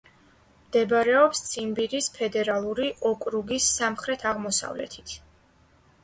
მდებარეობს ციმბირის ფედერალური ოკრუგის სამხრეთ-აღმოსავლეთით.